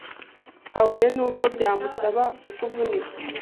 kabone n’ubwo byamusabaga kuvunika,